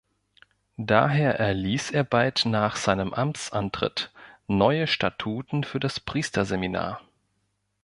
Daher erließ er bald nach seinem Amtsantritt neue Statuten für das Priesterseminar.